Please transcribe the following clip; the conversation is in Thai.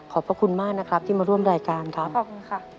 พระคุณมากนะครับที่มาร่วมรายการครับขอบคุณค่ะ